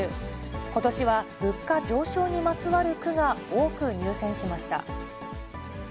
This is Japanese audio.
ことしは物価上昇にまつわる句が多く入選しました。